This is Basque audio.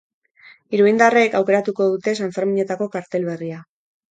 Iruindarrek aukeratuko dute sanferminetako kartel berria.